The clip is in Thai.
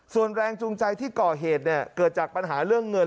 ส่วนแรงจูงใจที่ก่อเหตุเกิดจากปัญหาเรื่องเงิน